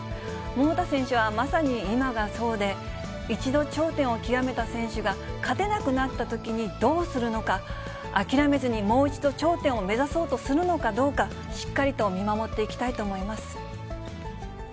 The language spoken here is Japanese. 桃田選手はまさに今がそうで、一度頂点を極めた選手が、勝てなくなったときにどうするのか、諦めずにもう一度頂点を目指そうとするのかどうか、しっかりと見守っていきたいと思います。